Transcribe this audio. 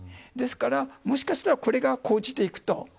ですから、もしかしたらこれが講じていくと。